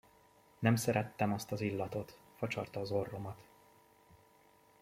Nem szerettem azt az illatot, facsarta az orromat.